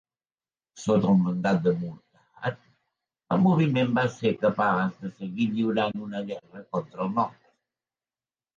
Sota el mandat de Muortat, el moviment va ser capaç de seguir lliurant una guerra contra el nord.